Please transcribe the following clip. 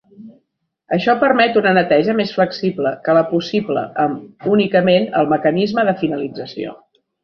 Això permet una neteja més flexible que la possible amb únicament el mecanisme de finalització.